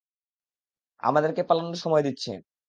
আমাদেরকে পালানোর সময় দিচ্ছে।